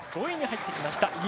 ５位に入ってきました。